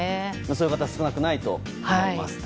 そういう方少なくないと思います。